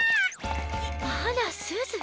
あらすず？